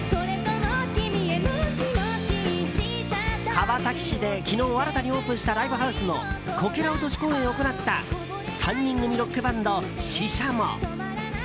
川崎市で昨日新たにオープンしたライブハウスのこけら落とし公演を行った３人組ロックバンドＳＨＩＳＨＡＭＯ。